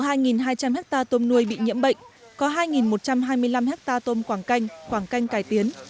hơn hai hai trăm linh hectare tôm nuôi bị nhiễm bệnh có hai một trăm hai mươi năm hectare tôm quảng canh quảng canh cải tiến